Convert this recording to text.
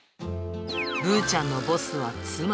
ぶーちゃんのボスは妻。